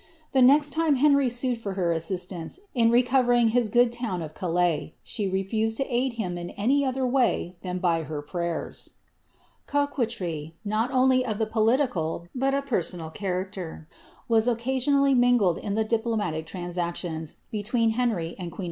The nest lime Henry sued for her assistance in veriug liis good town of Calais, she refused to aid him in any other all)" than by her prayers,' Coquetry, not oiily of a poHtical but a personal character, iv»s om xfonally mingled in the diplomatic transactions between Henry and ijueoi ' Csnidpn.